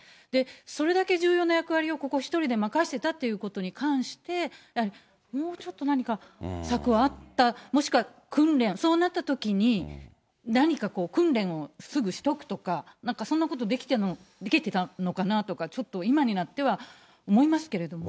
それだけ重要な役割をここ、１人で任せてたってことに関して、もうちょっと何か策はあった、もしくは訓練、そうなったときに何かこう、訓練をすぐしておくとか、なんかそんなことできてたのかなとか、ちょっと、今になっては思いますけれどもね。